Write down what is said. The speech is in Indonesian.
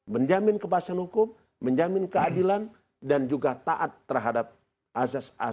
menjamin kebasan hukum menjamin keadilan dan juga taat terhadap asas asas pemerintahan